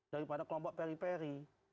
daripada kelompok peri peri